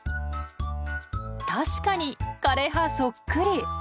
確かに枯れ葉そっくり。